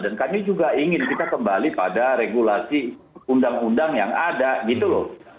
dan kami juga ingin kita kembali pada regulasi undang undang yang ada gitu loh